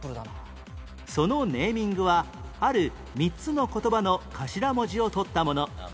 そのネーミングはある３つの言葉の頭文字を取ったもの